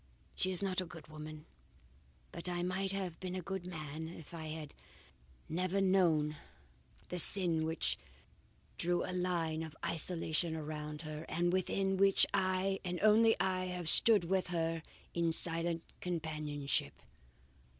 "She is not a good woman, but I might have been a good man if I had never known the sin which drew a line of isolation about her, and within which I, and only I, have stood with her in silent companionship.